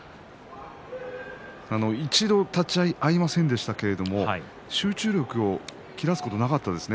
一度立ち合いが合いませんでしたけど集中力を切らすことはなかったですね。